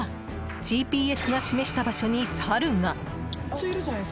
ＧＰＳが示した場所にサルが！